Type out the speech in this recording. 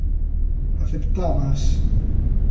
Aceptábaas.